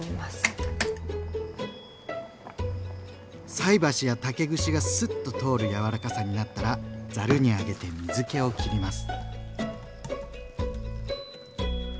菜箸や竹串がスッと通る柔らかさになったらざるに上げて水けをきります。